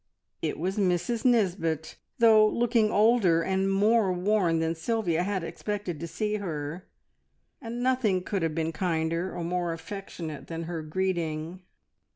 It was Mrs Nisbet, though looking older and more worn than Sylvia had expected to see her, and nothing could have been kinder or more affectionate than her greeting.